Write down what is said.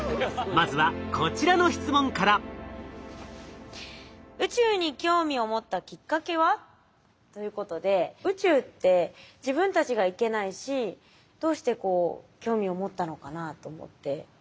まずはこちらの質問から。ということで宇宙って自分たちが行けないしどうしてこう興味を持ったのかなと思って。